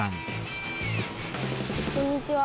こんにちは。